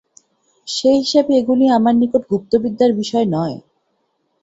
সে-হিসাবে এগুলি আমার নিকট গুপ্তবিদ্যার বিষয় নয়।